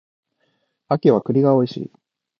秋は栗が美味しい